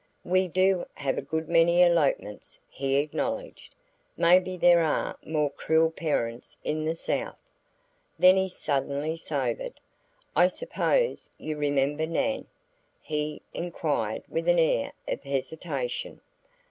"We do have a good many elopements," he acknowledged. "Maybe there are more cruel parents in the South." Then he suddenly sobered. "I suppose you remember Nan?" he inquired with an air of hesitation.